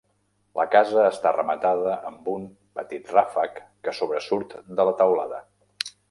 La casa està rematada amb un petit ràfec que sobresurt de la teulada.